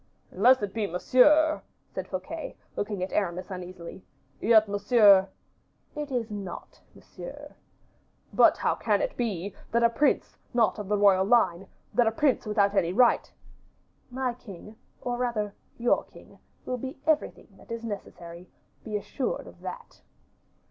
"Unless it be Monsieur," said Fouquet, looking at Aramis uneasily; "yet Monsieur " "It is not Monsieur." "But how can it be, that a prince not of the royal line, that a prince without any right " "My king, or rather your king, will be everything that is necessary, be assured of that."